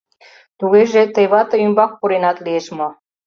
— Тугеже, тый вате ӱмбак пуренат лиеш мо?